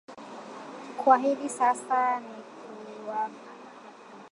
kwa hivi sasa ni kuhakikisha tuna leta usawa wa jinsia kwenye matangazo yetu